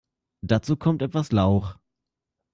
Dazu kommt etwas Lauch.